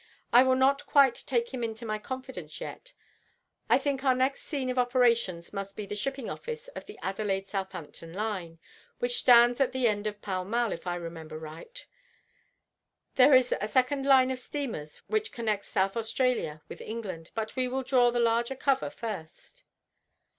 "I will not quite take him into my confidence yet. I think our next scene of operations must be the shipping office of the Adelaide Southampton line, which stands at the end of Pall Mall, if I remember right. There is a second line of steamers which connect South Australia with England, but we will draw the larger cover first."